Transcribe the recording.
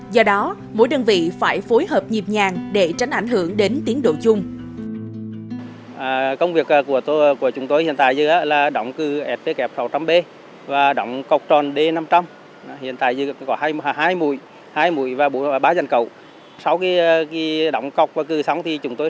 do đó mỗi đơn vị phải phối hợp nhịp nhàng để tránh ảnh hưởng đến tiến độ chung